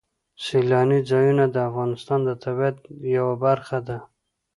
سیلاني ځایونه د افغانستان د طبیعت یوه برخه ده.